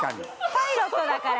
パイロットだからね。